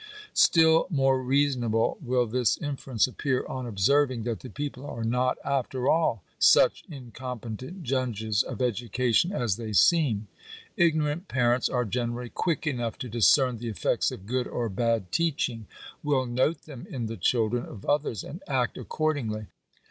Still more reasonable will this inference appear on observing that the people are not, after all, such incompetent judges of Digitized by VjOOQIC 388 NATIONAL EDUCATION. education as they seem. Ignorant parents are generally quick enough to discern the effects of good or bad teaching; will note them in the children of others, and act accordingly.